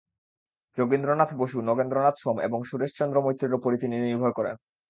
যোগীন্দ্রনাথ বসু, নগেন্দ্রনাথ সোম এবং সুরেশচন্দ্র মৈত্রের ওপরই তিনি নির্ভর করেন।